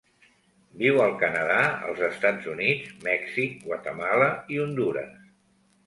Viu al Canadà, els Estats Units, Mèxic, Guatemala i Hondures.